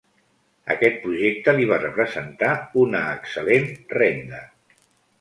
Aquest projecte li va representar una excel·lent renda.